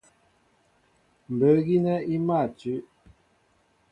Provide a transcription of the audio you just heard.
Mbə̌ gínɛ́ í mâ tʉ́.